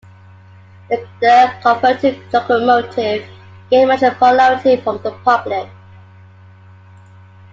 The converted locomotive gained much popularity from the public.